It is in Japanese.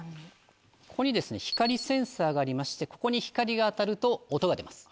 ここに光センサーがありましてここに光が当たると音が出ます。